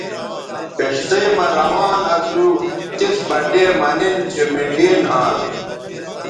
کشتئ مہ روان اسو تس بٹے مہ نِن چہء مٹھے نھال